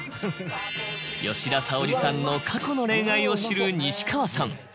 吉田沙保里さんの過去の恋愛を知る西川さん。